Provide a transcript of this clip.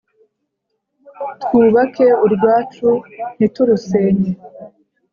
twubake urwacu ntiturusenye.